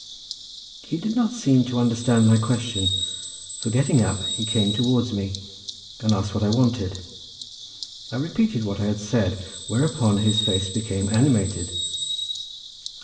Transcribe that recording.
He did not seem to understand my question, for getting up he came towards me and asked what I wanted: I repeated what I had said, whereupon his face became animated.